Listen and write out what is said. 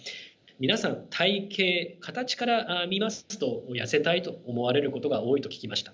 皆さん体形形から見ますと痩せたいと思われることが多いと聞きました。